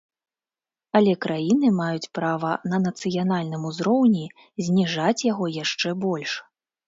Але краіны маюць права на нацыянальным узроўні зніжаць яго яшчэ больш.